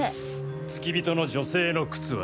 付き人の女性の靴は？